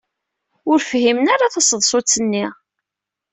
Ur fhimen ara taseḍsut-nni.